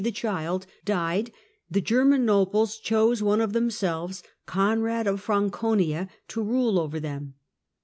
the Child, died, the German nobles chose one conia?'^ of themselves, Conrad of Franconia, to rule over them.